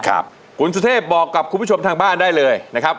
ครับคุณสุเทพบอกกับคุณผู้ชมทางบ้านได้เลยนะครับ